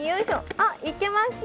あっいけました。